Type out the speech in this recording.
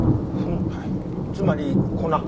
つまり粉？